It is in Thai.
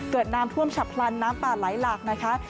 เกิดน้ำท่วมฉับพลันน้ำป่าไหลหลากนะคะ